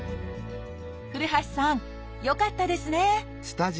古橋さんよかったですね！